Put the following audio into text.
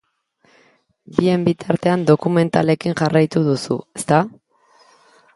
Bien bitartean dokumentalekin jarraitu duzu, ezta?